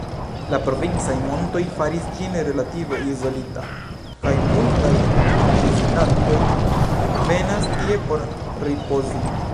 La provincaj montoj faris ĝin relative izolita, kaj multaj vizitantoj venas tie por ripozi.